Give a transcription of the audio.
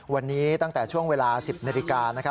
วันนี้ตั้งแต่ช่วงเวลา๑๐นาฬิกา